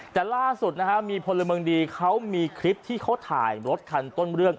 แต่ล่าสุดนะฮะมีพลเมืองดีเขามีคลิปที่เขาถ่ายรถคันต้นเรื่อง